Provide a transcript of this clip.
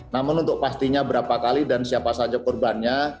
namun untuk pastinya berapa kali dan siapa saja korbannya